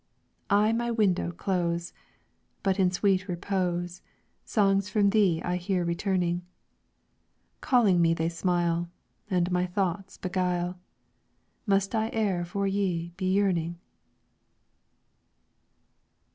"I my window close, But in sweet repose Songs from thee I hear returning; Calling me they smile, And my thoughts beguile, Must I e'er for thee be yearning?"